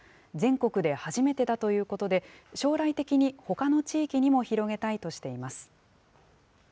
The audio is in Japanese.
全国で初めてだということで、将来的にほかの地域にも広げたいとしています。